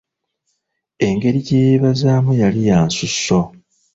Engeri gye yeebazaamu yali ya nsusso